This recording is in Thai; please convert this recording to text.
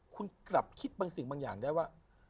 คุณกลับคิดบางสิ่งบางอย่างได้ว่า